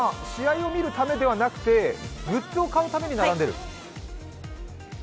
今、並んでる皆さんは試合を見るためではなくてグッズを買うために並んでる？